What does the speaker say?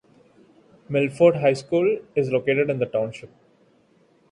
Milford High School is located in the township.